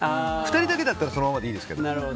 ２人だけならそのままでいいですけど。